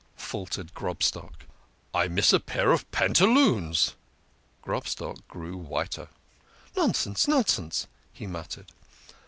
faltered Grobstock. " I miss a pair of pantaloons !" Grobstock grew whiter. " Nonsense ! nonsense !" he muttered.